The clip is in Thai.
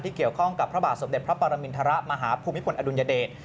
เกี่ยวข้องกับพระบาทสมเด็จพระปรมินทรมาฮภูมิพลอดุลยเดช